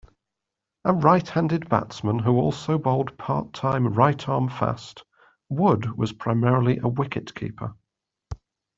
A right-handed batsman who also bowled part-time right-arm fast, Wood was primarily a wicketkeeper.